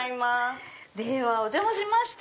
ではお邪魔しました。